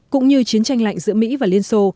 cũng như chiến tranh lạnh giữa mỹ và liên xô